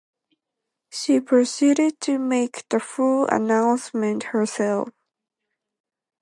She proceeded to make the full announcement herself.